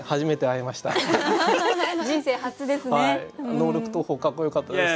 ノールック投法かっこよかったです。